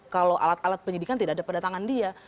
kalau alat alat penyidikan tidak ada pada tangan dia